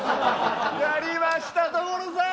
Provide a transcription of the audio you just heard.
やりました所さん！